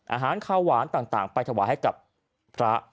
อาหารข้าวหวานต่างไปถวายให้กับพระ